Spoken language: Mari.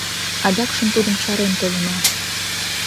Адакшым тудым чарен толына.